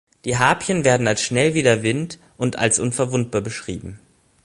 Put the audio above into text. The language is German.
Die Harpyien werden als schnell wie der Wind und als unverwundbar beschrieben.